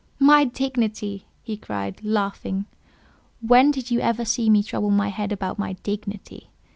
"My dignity!" he cried, laughing; "when did you ever see me trouble my head about my dignity?